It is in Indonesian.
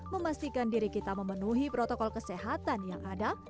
memastikan diri kita memenuhi protokol kesehatan yang ada